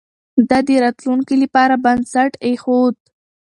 ده د راتلونکي لپاره بنسټ ايښود.